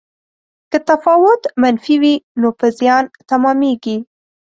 که تفاوت منفي وي نو په زیان تمامیږي.